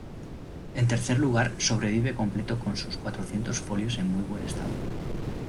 En tercer lugar, sobrevive completo con sus cuatrocientos folios en muy buen estado.